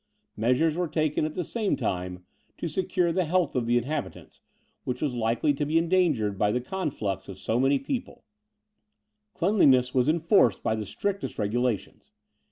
Measures were taken, at the same time, to secure the health of the inhabitants, which was likely to be endangered by the conflux of so many people; cleanliness was enforced by the strictest regulations.